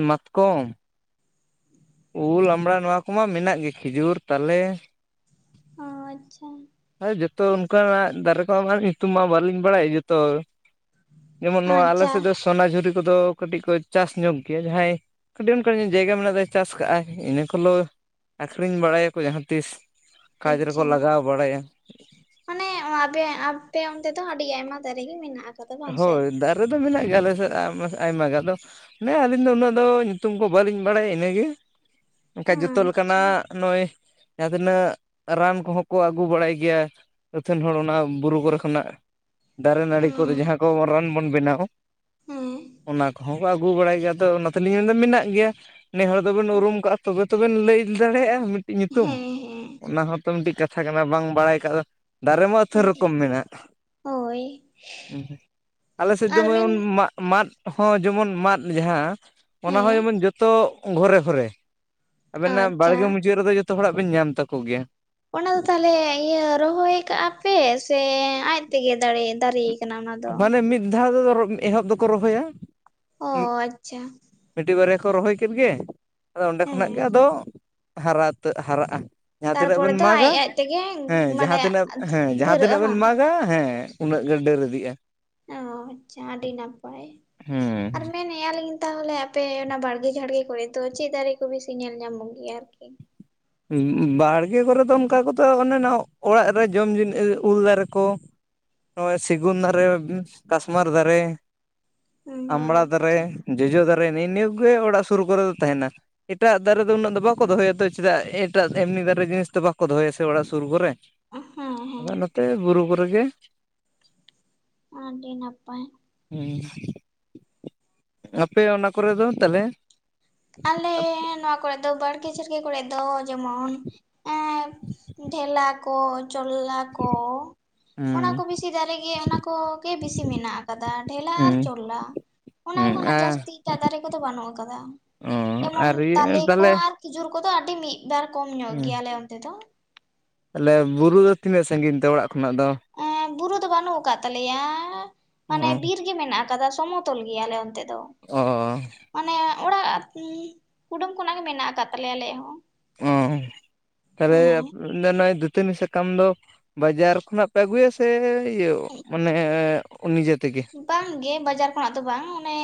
[SPEAKER 1] ᱢᱟᱛᱠᱚᱢᱼᱼ ᱩᱞ ᱟᱢᱲᱟ ᱱᱚᱣᱟ ᱠᱚᱢᱟ ᱢᱮᱱᱟᱜ ᱜᱮ ᱠᱷᱤᱡᱩᱨ ᱛᱟᱞᱮᱼᱼ
[SPEAKER 2] ᱚ ᱟᱪᱷᱟ᱾
[SPEAKER 1] ᱡᱚᱛᱚ ᱚᱱᱠᱟᱱᱟᱜ ᱫᱟᱨᱮ ᱠᱚᱦᱚᱸ ᱢᱟ ᱧᱩᱛᱩᱢ ᱢᱟ ᱵᱟᱹᱞᱤᱧ ᱵᱟᱲᱟᱭ ᱡᱚᱛᱚᱼᱼ ᱡᱮᱢᱚᱱ ᱱᱚᱣᱟ ᱟᱞᱮ
[SPEAKER 2] ᱟᱪᱪᱷᱟ
[SPEAKER 1] ᱥᱮᱫ ᱫᱚᱼᱼ ᱥᱚᱱᱟᱡᱷᱩᱨᱤ ᱠᱚᱫᱚ ᱠᱟᱹᱴᱤᱡ ᱠᱚ ᱪᱟᱥ ᱧᱚᱜ ᱜᱮᱭᱟ ᱡᱟᱦᱟᱸᱭ, ᱠᱟᱹᱴᱤᱡ ᱚᱱᱠᱟ ᱡᱟᱭᱜᱟ ᱢᱮᱱᱟᱜᱼᱼ ᱪᱟᱥ ᱠᱟᱜᱼᱟᱭ ᱤᱱᱟᱹ ᱠᱚᱞᱚ ᱟᱹᱠᱷᱨᱤᱧ ᱵᱟᱲᱟᱭᱟ ᱠᱚ ᱡᱟᱦᱟᱸ ᱛᱤᱥᱼᱼ ᱠᱷᱟᱡ ᱨᱮᱠᱚ
[SPEAKER 2] ᱟᱪᱪᱷᱟ
[SPEAKER 1] ᱞᱟᱜᱟᱣ ᱵᱟᱲᱟᱭᱟ᱾
[SPEAKER 2] ᱢᱟᱱᱮ ᱟᱯᱮ, ᱟᱯᱮ ᱚᱱᱛᱮ ᱫᱚ ᱟᱹᱰᱤ ᱟᱭᱢᱟ ᱫᱟᱨᱮ ᱜᱮ ᱢᱮᱱᱟᱜ ᱟᱠᱟᱫᱟ᱾ ᱵᱟᱝ ᱥᱮ?
[SPEAKER 1] ᱦᱳᱭ ᱫᱟᱨᱮ ᱫᱚ ᱢᱮᱱᱟᱜ ᱜᱮᱭᱟ ᱟᱞᱮ ᱥᱮᱡ ᱟᱭᱢᱟ ᱜᱟᱱ ᱫᱚᱼᱼ ᱚᱱᱮ ᱟᱹᱞᱤᱧ ᱫᱚ ᱩᱱᱟᱹᱜ ᱫᱚ ᱧᱩᱛᱩᱢ ᱠᱚ ᱵᱟᱹᱞᱤᱧ ᱵᱟᱲᱟᱭᱟ ᱤᱱᱟᱹᱜᱮ, ᱮᱱᱠᱷᱟᱱ ᱡᱚᱛᱚ
[SPEAKER 2] ᱟᱪᱪᱷᱟ
[SPEAKER 1] ᱞᱮᱠᱟᱱᱟᱜᱼᱼ ᱱᱚᱜᱼᱚᱭ ᱡᱟᱦᱟᱸ ᱛᱤᱱᱟᱹᱜ ᱨᱟᱱ ᱠᱚᱦᱚᱸ ᱠᱚ ᱟᱹᱜᱩ ᱵᱟᱲᱟᱭ ᱜᱮᱭᱟᱼᱼ ᱟᱹᱛᱷᱟᱹᱱ ᱦᱚᱲ ᱚᱱᱟ ᱵᱩᱨᱩ ᱠᱚᱨᱮ ᱠᱷᱚᱱᱟᱜ ᱫᱟᱨᱮ ᱱᱟᱹᱲᱤᱼᱼ ᱩᱱ ᱫᱚ
[SPEAKER 2] ᱦᱮᱸ
[SPEAKER 1] ᱡᱟᱦᱟᱸ ᱠᱚ ᱨᱟᱱ ᱵᱚᱱ ᱵᱮᱱᱟᱣᱼᱼ
[SPEAKER 2] ᱦᱮᱸ
[SPEAKER 1] ᱚᱱᱟ ᱠᱚᱦᱚᱸ ᱠᱚ ᱟᱹᱜᱩ ᱵᱟᱲᱟᱭ ᱜᱮᱭᱟ ᱟᱫᱚ ᱚᱱᱟᱛᱮᱞᱤᱧ ᱢᱮᱱᱮᱫᱟ ᱢᱮᱱᱟᱜ ᱜᱮᱭᱟ᱾ ᱱᱮ ᱦᱚᱲ ᱫᱚᱵᱮᱱ ᱩᱨᱩᱢ ᱠᱟᱜᱼᱟ ᱛᱚᱵᱮ ᱛᱚᱵᱮᱱ ᱞᱟᱹᱭ ᱫᱟᱲᱮᱭᱟᱜᱼᱟ ᱢᱤᱫᱴᱤᱡ ᱧᱩᱛᱩᱢ,
[SPEAKER 2] ᱦᱮᱸ
[SPEAKER 1] ᱚᱱᱟ ᱦᱚᱸᱼᱼ ᱚ ᱢᱤᱫᱴᱤᱡ ᱠᱟᱛᱷᱟ ᱠᱟᱱᱟ ᱵᱟᱝ ᱵᱟᱲᱟᱭ ᱟᱠᱟᱜ ᱫᱚ, ᱫᱟᱨᱮ ᱢᱟ ᱟᱹᱛᱷᱟᱹ ᱨᱚᱠᱚᱢ ᱢᱮᱱᱟᱜ᱾
[SPEAKER 2] ᱦᱳᱭ᱾
[SPEAKER 1] ᱟᱞᱮ ᱥᱮᱫ ᱫᱚ
[SPEAKER 2] ᱟᱨ ᱢᱮᱱ
[SPEAKER 1] ᱢᱟᱫ-ᱢᱟᱫᱼᱼ ᱦᱚᱸ ᱡᱮᱢᱚᱱ ᱢᱟᱫ ᱡᱟᱦᱟᱸ ᱚᱱᱟ ᱦᱚᱸ
[SPEAKER 2] ᱦᱮᱸ
[SPEAKER 1] ᱡᱮᱢᱚᱱ ᱡᱚᱛᱚ ᱜᱷᱚᱨᱮ-ᱜᱷᱚᱨᱮᱼᱼ ᱟᱵᱮᱱᱟᱜ
[SPEAKER 2] ᱟᱪᱪᱷᱟ
[SPEAKER 1] ᱵᱟᱲᱜᱮ ᱢᱩᱪᱟᱹᱫ ᱨᱮᱫᱚ ᱡᱚᱛᱚ ᱦᱚᱲᱟᱜ ᱵᱮᱱ ᱧᱟᱢ ᱛᱟᱠᱚ ᱜᱮᱭᱟ
[SPEAKER 2] ᱚᱱᱟ ᱫᱚ ᱛᱟᱦᱚᱞᱮ ᱤᱭᱟᱹ ᱨᱚᱦᱚᱭ ᱠᱟᱜᱼᱟ ᱯᱮ ᱥᱮ ᱟᱡ ᱛᱮᱜᱮ ᱫᱟᱨᱮᱭᱮᱱ
[SPEAKER 1] ᱢᱟᱱᱮ ᱢᱤᱫ ᱫᱷᱟᱣ ᱮᱦᱚᱵᱽ ᱫᱚᱠᱚ ᱨᱚᱦᱚᱭᱟ᱾
[SPEAKER 2] ᱚ ᱟᱪᱪᱷᱟ
[SPEAKER 1] ᱢᱤᱫᱴᱤᱡᱽ ᱵᱟᱨᱭᱟ ᱠᱚ ᱨᱚᱦᱚᱭ ᱠᱮᱫ ᱜᱮ ᱟᱫᱚ ᱚᱸᱰᱮ ᱠᱷᱚᱱᱟᱜ ᱜᱮ
[SPEAKER 2] ᱦᱮᱸ
[SPEAKER 1] ᱟᱫᱚ ᱦᱟᱨᱟ ᱦᱟᱨᱟᱜᱼᱟ᱾ ᱡᱟᱦᱟᱸ ᱛᱤᱱᱟᱹᱜ
[SPEAKER 2] ᱛᱟᱨᱯᱚᱨᱮ
[SPEAKER 1] ᱵᱮᱱ
[SPEAKER 2] ᱫᱚ ᱟᱡ
[SPEAKER 1] ᱢᱟᱜᱟ
[SPEAKER 2] ᱟᱡ ᱛᱮᱜᱮ
[SPEAKER 1] ᱦᱮᱸ
[SPEAKER 2] ᱢᱟᱱᱮ
[SPEAKER 1] ᱡᱟᱦᱟᱸ ᱛᱤᱱᱟᱹᱜ ᱦᱮᱸ ᱡᱟᱦᱟᱸ
[SPEAKER 2] ᱫᱷᱟᱹᱨᱟᱹᱜᱼᱟ
[SPEAKER 1] ᱛᱤᱱᱟᱹᱜ ᱵᱮᱱ
[SPEAKER 2] ᱵᱟᱝ?
[SPEAKER 1] ᱢᱟᱜᱟ ᱦᱮᱸ ᱩᱱᱟᱹᱜ ᱜᱮ ᱰᱟᱹᱨ ᱤᱫᱤᱜᱼᱟ᱾
[SPEAKER 2] ᱚ ᱟᱪᱪᱷᱟ ᱟᱹᱰᱤ ᱱᱟᱯᱟᱭ ᱟᱨ ᱢᱮᱱᱮ ᱢᱮᱸ ᱟᱞᱤᱧ ᱛᱟᱦᱚᱞᱮ ᱟᱯᱮ ᱚᱱᱟ ᱵᱟᱲᱜᱮ ᱡᱷᱟᱲᱜᱮ ᱠᱚᱨᱮ ᱫᱚ ᱪᱮᱫ ᱫᱟᱨᱮ ᱠᱚ ᱵᱤᱥᱤ ᱧᱮᱞ ᱧᱟᱢᱚᱜ ᱜᱮᱭᱟ ᱟᱨᱠᱤ?
[SPEAKER 1] ᱵᱟᱲᱜᱮ ᱠᱚᱨᱮ ᱫᱚ ᱚᱱᱠᱟ ᱠᱚᱛᱚ ᱚᱱᱮ ᱚᱲᱟᱜ ᱨᱮ ᱡᱚᱢ ᱡᱤᱱᱤᱥ ᱩᱞ ᱫᱟᱨᱮ ᱠᱚ ᱱᱚᱜᱼᱚᱭ ᱥᱤᱜᱩᱱ ᱫᱟᱨᱮ, ᱠᱟᱥᱢᱟᱨ ᱫᱟᱨᱮ,
[SPEAKER 2] ᱦᱩᱸ
[SPEAKER 1] ᱟᱢᱲᱟ
[SPEAKER 2] ᱦᱩᱸ
[SPEAKER 1] ᱫᱟᱨᱮ ᱡᱚᱡᱚ ᱫᱟᱨᱮ ᱱᱮᱜᱼ ᱱᱤᱭᱟᱹ ᱠᱚ ᱜᱮ ᱚᱲᱟᱜ ᱥᱩᱨ ᱠᱚᱨᱮ ᱫᱚ ᱛᱟᱦᱮᱱᱟ ᱮᱴᱟᱜ ᱫᱟᱨᱮ ᱫᱚ ᱩᱱᱟᱹᱜ ᱫᱚ ᱵᱟᱠᱚ ᱫᱚᱦᱚᱭᱟ ᱛᱚ ᱪᱮᱫᱟᱜ ᱮᱴᱟᱜ ᱮᱢᱱᱤ ᱫᱟᱨᱮ ᱡᱤᱱᱤᱥ ᱵᱟᱠᱚ ᱫᱚᱦᱚᱭᱟ ᱥᱮ ᱚᱲᱟᱜ ᱥᱩᱨ ᱠᱚᱨᱮ
[SPEAKER 2] ᱦᱮᱸ
[SPEAKER 1] *unintelligible*
[SPEAKER 2] ᱦᱮᱸ
[SPEAKER 1] ᱛᱮ ᱵᱩᱨᱩ ᱠᱚᱨᱮ ᱜᱮ᱾
[SPEAKER 2] ᱟᱹᱰᱤ ᱱᱟᱯᱟᱭ
[SPEAKER 1] ᱦᱩᱸ ᱟᱯᱮ ᱚᱱᱟ ᱠᱚᱨᱮ ᱫᱚ ᱛᱟᱞᱦᱮ?
[SPEAKER 2] ᱟᱞᱮ ᱱᱚᱣᱟ ᱠᱚᱲᱮ ᱫᱚ ᱵᱟᱲᱜᱮ ᱪᱮᱲᱜᱮ ᱠᱚᱲᱮ ᱫᱚ ᱡᱮᱢᱚᱱ ᱮᱸ ᱰᱷᱮᱞᱟ ᱠᱚ ᱪᱚᱞᱞᱟ ᱠᱚ ᱚᱱᱟ ᱠᱚ
[SPEAKER 1] ᱦᱩᱸ
[SPEAKER 2] ᱵᱮᱥᱤ ᱫᱟᱨᱮ ᱜᱮ ᱚᱱᱟ ᱠᱚᱜᱮ ᱵᱮᱥᱤ ᱢᱮᱱᱟᱜ ᱠᱟᱫᱟ ᱰᱷᱮᱞᱟ ᱟᱨ
[SPEAKER 1] ᱦᱩᱸ
[SPEAKER 2] ᱪᱚᱞᱞᱟ᱾ ᱚᱱᱟ
[SPEAKER 1] ᱦᱩᱸ
[SPEAKER 2] ᱠᱷᱚᱱᱟᱜ
[SPEAKER 1] ᱟᱨ
[SPEAKER 2] ᱡᱟᱹᱥᱛᱤ ᱮᱴᱟᱜ ᱫᱟᱨᱮ ᱠᱚᱫᱚ ᱵᱟᱹᱱᱩᱜ ᱠᱟᱫᱟ᱾
[SPEAKER 1] ᱚ
[SPEAKER 2] ᱡᱮᱢᱚᱱ
[SPEAKER 1] ᱟᱨ ᱤᱭᱟᱹ
[SPEAKER 2] ᱛᱟᱞᱮ ᱠᱚ
[SPEAKER 1] ᱛᱟᱦᱚᱞᱮ
[SPEAKER 2] ᱟᱨ ᱠᱷᱤᱡᱩᱨ ᱠᱚᱫᱚ ᱟᱹᱰᱤ ᱢᱤᱫᱵᱟᱨ ᱠᱚᱢ ᱧᱚᱜ ᱜᱮᱭᱟ ᱟᱞᱮ ᱚᱱᱛᱮ ᱫᱚ᱾
[SPEAKER 1] ᱛᱟᱦᱞᱮ ᱵᱩᱨᱩ ᱫᱚ ᱛᱤᱱᱟᱹᱜ ᱥᱟᱺᱜᱤᱧ ᱛᱮ ᱚᱲᱟᱜ ᱠᱷᱚᱱᱟᱜ ᱫᱚ?
[SPEAKER 2] ᱮ ᱵᱩᱨᱩ ᱫᱚ ᱵᱟᱹᱱᱩᱜ ᱠᱟᱜ ᱛᱟᱞᱮᱭᱟ
[SPEAKER 1] ᱚ
[SPEAKER 2] ᱢᱟᱱᱮ ᱵᱤᱨ ᱜᱮ ᱢᱮᱱᱟᱜ ᱠᱟᱫᱟ ᱥᱚᱢᱚᱛᱚᱞ ᱜᱮᱭᱟ ᱟᱞᱮ ᱚᱱᱛᱮ ᱫᱚ
[SPEAKER 1] ᱚ
[SPEAKER 2] ᱢᱟᱱᱮ ᱚᱲᱟᱜ ᱠᱩᱰᱟᱹᱢ ᱠᱷᱚᱱᱟᱜ ᱜᱮ ᱢᱮᱱᱟᱜ ᱠᱟᱜ ᱛᱟᱞᱮᱭᱟ ᱟᱞᱮᱭᱟᱜ ᱦᱚᱸ
[SPEAKER 1] ᱚᱸ *unintelligible*
[SPEAKER 2] ᱦᱮᱸ
[SPEAKER 1] *unintelligible* ᱫᱟᱛᱟᱹᱱᱤ ᱥᱟᱠᱟᱢ ᱫᱚ ᱵᱟᱡᱟᱨ ᱠᱷᱚᱱᱟᱜ ᱯᱮ ᱟᱹᱜᱩᱭᱟ ᱥᱮ ᱤᱭᱟᱹ ᱢᱟᱱᱮ ᱱᱤᱡᱮ ᱛᱮᱜᱮ᱾
[SPEAKER 2] ᱵᱟᱝ ᱜᱮ ᱵᱟᱡᱟᱨ ᱠᱷᱚᱱᱟᱜ ᱫᱚ ᱵᱟᱝ ᱚᱱᱮ